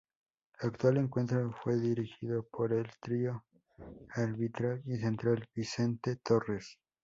Aquel encuentro fue dirigido por el trío arbitral y central, Vicente Torres.